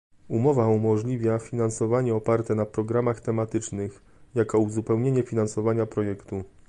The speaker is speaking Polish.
Umowa umożliwia finansowanie oparte na programach tematycznych, jako uzupełnienie finansowania projektu